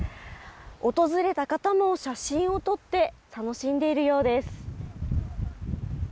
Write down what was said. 訪れた方も写真を撮って楽しんでいるようです。